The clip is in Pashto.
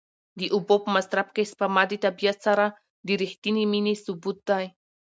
د اوبو په مصرف کې سپما د طبیعت سره د رښتینې مینې ثبوت دی.